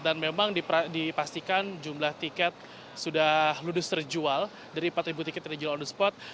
dan memang dipastikan jumlah tiket sudah ludus terjual dari empat tiket yang dijual on the spot